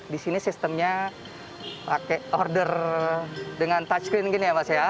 di sini sistemnya pakai order dengan touchscreen gini ya mas